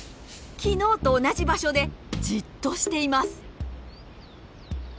昨日と同じ場所でじっとしています。